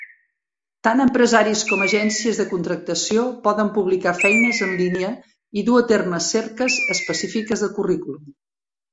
Tan empresaris com agències de contractació poden publicar feines en línia i dur a terme cerques específiques de currículum.